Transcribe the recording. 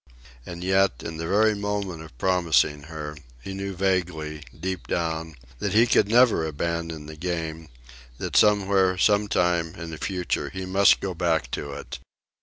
And yet, in the very moment of promising her, he knew vaguely, deep down, that he could never abandon the Game; that somewhere, sometime, in the future, he must go back to it.